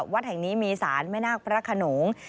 วัดแห่งนี้มีศาลแม่นาคพระขนง